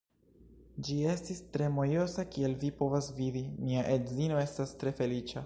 Ĝi estis tre mojosa kiel vi povas vidi, mia edzino estas tre feliĉa